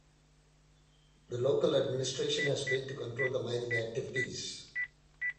The local administration has failed to control the mining activities.